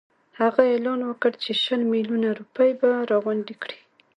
هغه اعلان وکړ چې شل میلیونه روپۍ به راغونډي کړي.